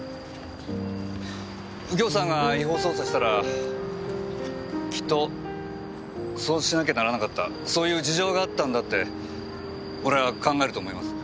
右京さんが違法捜査したらきっとそうしなきゃならなかったそういう事情があったんだって俺は考えると思います。